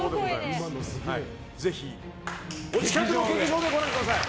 ぜひお近くの劇場でご覧ください。